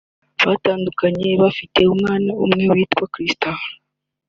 batandukana bafitanye umwana w’umukobwa witwa Crystal